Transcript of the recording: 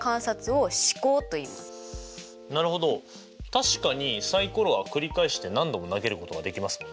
確かにサイコロはくり返して何度も投げることができますもんね。